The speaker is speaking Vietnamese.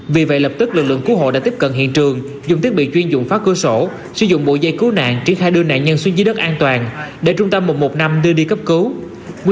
vì vậy lập tức lực lượng cứu hộ đã tiếp cận hiện trường dùng thiết bị chuyên dụng phá cửa sổ sử dụng bộ dây cứu nạn triển khai đưa nạn nhân xuống dưới đất an toàn để trung tâm một trăm một mươi năm đưa đi cấp cứu